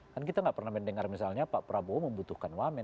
kan kita nggak pernah mendengar misalnya pak prabowo membutuhkan wamen